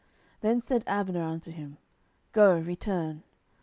Then said Abner unto him, Go, return.